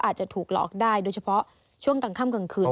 อาจจะถูกหลอกได้โดยเฉพาะช่วงกลางค่ำกลางคืน